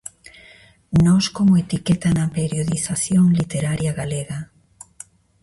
Nós como etiqueta na periodización literaria galega.